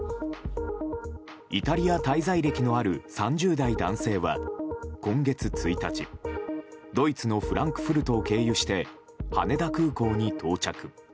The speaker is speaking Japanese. イタリア滞在歴のある３０代男性は、今月１日ドイツのフランクフルトを経由して羽田空港に到着。